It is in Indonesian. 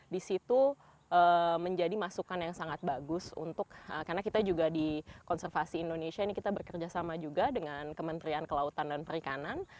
di situ menjadi masukan yang sangat bagus untuk karena kita juga di konservasi indonesia ini kita bekerja sama juga dengan kementerian kelautan dan perikanan